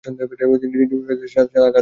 ডিমে সাদার উপর কালো দাগ আকা থাকে।